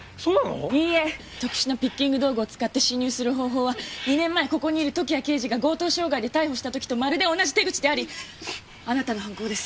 特殊なピッキング道具を使って侵入する方法は２年前ここにいる時矢刑事が強盗傷害で逮捕した時とまるで同じ手口でありあなたの犯行です。